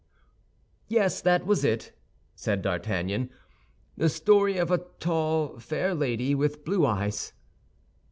"Yes, that was it," said D'Artagnan, "the story of a tall, fair lady, with blue eyes."